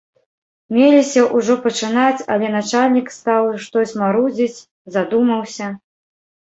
Меліся ўжо пачынаць, але начальнік стаў штось марудзіць, задумаўся.